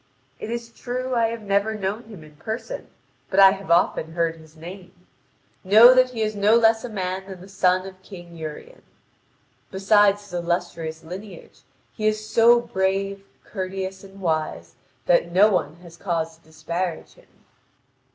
It is true I have never known him in person, but I have often heard his name. Know that he is no less a man than the son of King Urien. Beside his illustrious lineage, he is so brave, courteous, and wise that no one has cause to disparage him.